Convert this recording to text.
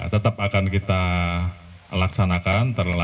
tetap akan kita laksanakan